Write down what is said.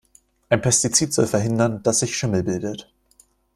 Ein Pestizid soll verhindern, dass sich Schimmel bildet.